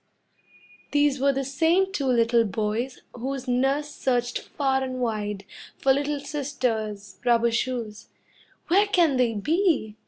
These were the same two little boys Whose nurse searched far and wide For little sister's rubber shoes; "Where can they be?"